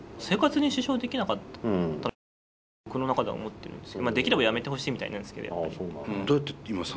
生活に支障できなかったらいいのかなって僕の中では思ってるんですけどまあできればやめてほしいみたいなんですけどやっぱり。